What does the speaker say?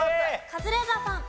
カズレーザーさん。